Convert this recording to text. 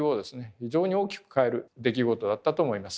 非常に大きく変える出来事だったと思います。